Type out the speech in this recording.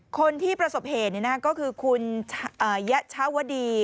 คนที่ประสบเหตุก็คือคุณยะชาวดี